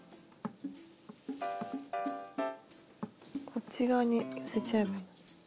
こっち側に寄せちゃえば。